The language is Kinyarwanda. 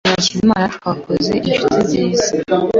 Jye na Hakizimana twahoze turi inshuti nziza.